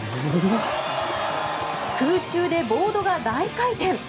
空中でボードが大回転。